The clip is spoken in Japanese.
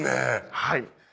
はい。